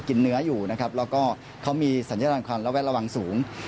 เนื้ออยู่นะครับแล้วก็เขามีสัญญาณความระแวดระวังสูง